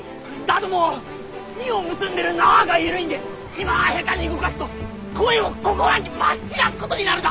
ども荷を結んでる縄が緩いんで今下手に動かすと肥をここらにまき散らすことになるだ！